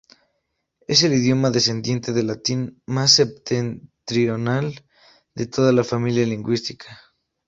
Es el idioma descendiente del latín más septentrional de toda la familia lingüística.